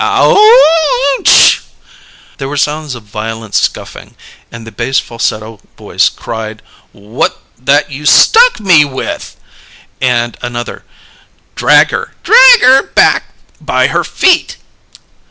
"Ouch!" There were sounds of violent scuffing, and the bass falsetto voice cried: "What's that you stuck me with?" and another: "Drag her! Drag her back by her feet!"